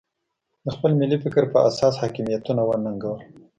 د خپل ملي فکر په اساس حاکمیتونه وننګول.